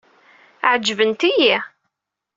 Ɛejbent-iyi.